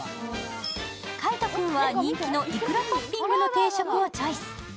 海音君は人気のいくらトッピングの定食をチョイス。